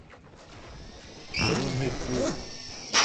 رو می پو۔